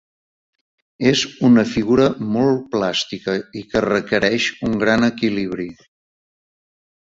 És una figura molt plàstica i que requereix un gran equilibri.